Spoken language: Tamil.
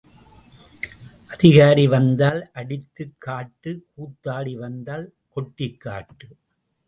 அதிகாரி வந்தால் அடித்துக் காட்டு கூத்தாடி வந்தால் கொட்டிக் காட்டு.